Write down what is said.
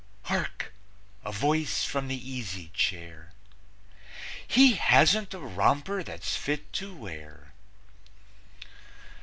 (Hark! A voice from the easy chair: "He hasn't a romper that's fit to wear.")